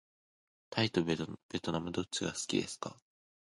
タイとべトナムどっちが好きですか。